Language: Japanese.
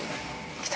来た？